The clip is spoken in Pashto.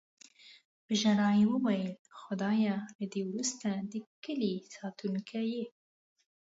په ژړا یې وویل: "خدایه، له دې وروسته د کیلي ساتونکی یې".